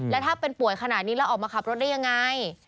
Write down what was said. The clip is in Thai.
แล้วถ้าเป็นป่วยขนาดนี้แล้วออกมาขับรถได้ยังไง